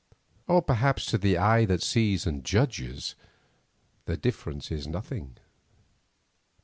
Or perhaps to the Eye that sees and judges the difference is nothing.